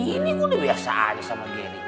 ini udah biasa aja sama geri